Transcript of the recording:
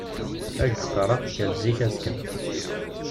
La ak-d-qqareɣ, kker-d zik azekka.